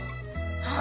はい。